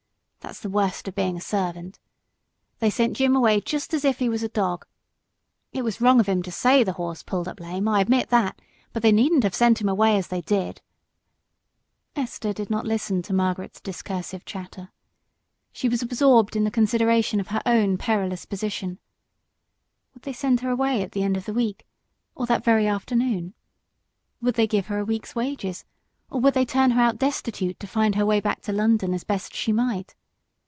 That's the worst of being a servant. They sent Jim away just as if he was a dog. It was wrong of him to say the horse pulled up lame; I admit that, but they needn't have sent him away as they did." Esther was absorbed in the consideration of her own perilous position. Would they send her away at the end of the week, or that very afternoon? Would they give her a week's wages, or would they turn her out destitute to find her way back to London as best she might?